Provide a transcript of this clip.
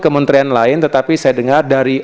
kementerian lain tetapi saya dengar dari